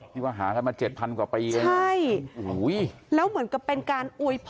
นี่ว่าหาเขามา๗๐๐๐กว่าปีเลยใช่แล้วเหมือนกับเป็นการโวยพร